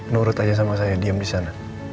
nurut aja sama saya diam di sana